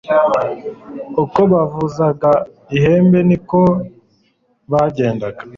uko bavuzaga ihembe ni ko bagendaga